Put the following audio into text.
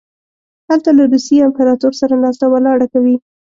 هلته له روسیې امپراطور سره ناسته ولاړه کوي.